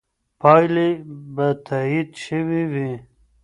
پایلې به تایید شوې وي.